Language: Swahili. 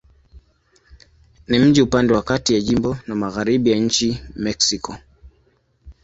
Ni mji upande wa kati ya jimbo na magharibi ya nchi Mexiko.